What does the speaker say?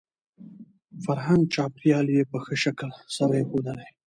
فرهنګ ،چاپېريال يې په ښه شکل سره يې ښودلى .